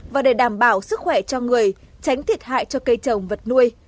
và để đảm bảo sức khỏe cho người tránh thiệt hại cho cây trồng vật nuôi